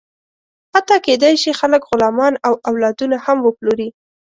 حتی کېدی شي، خلک غلامان او اولادونه هم وپلوري.